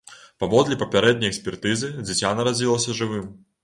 Паводле папярэдняй экспертызы, дзіця нарадзілася жывым.